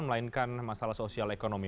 melainkan masalah sosial ekonomi